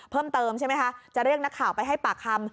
เพิ่มเติมใช่ไหมคะจะเรียกนักข่าวไปให้ปากคำ